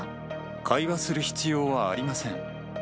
会話する必要はありません。